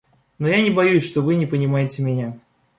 Но я боюсь, что вы не понимаете меня.